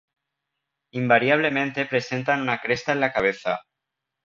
Invariablemente presentan una cresta en la cabeza.